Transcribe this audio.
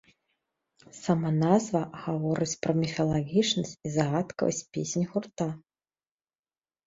Сама назва гаворыць пра міфалагічнасць і загадкавасць песень гурта.